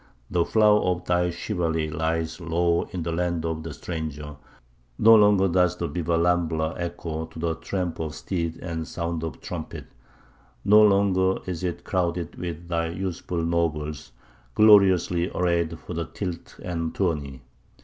The flower of thy chivalry lies low in the land of the stranger; no longer does the Bivarambla echo to the tramp of steed and sound of trumpet; no longer is it crowded with thy youthful nobles, gloriously arrayed for the tilt and tourney.